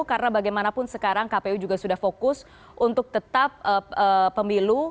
karena bagaimanapun sekarang kpu juga sudah fokus untuk tetap pemilu